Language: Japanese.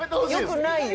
良くないよ。